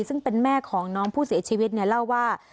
ซึ่งเป็นแม่ของน้องผู้เสียชีวิตเนี่ยเล่าว่า